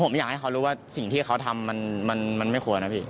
ผมอยากให้เขารู้ว่าสิ่งที่เขาทำมันไม่ควรนะพี่